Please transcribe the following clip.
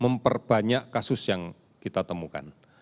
memperbanyak kasus yang kita temukan